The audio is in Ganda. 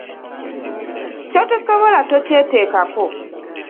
Ky'otosobola tokyeteekako.